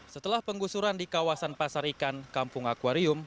setelah penggusuran di kawasan pasar ikan kampung akwarium